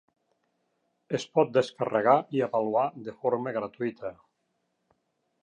Es pot descarregar i avaluar de forma gratuïta.